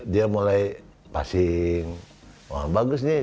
dia mulai passing wah bagus nih